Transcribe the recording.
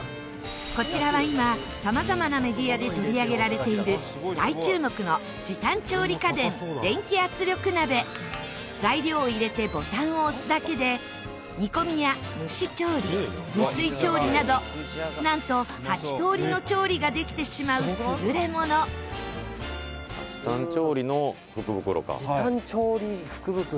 こちらは今、様々なメディアで取り上げられている大注目の時短調理家電電気圧力鍋材料を入れてボタンを押すだけで煮込みや蒸し調理、無水調理などなんと、８通りの調理ができてしまう優れもの小田：「時短調理の福袋か」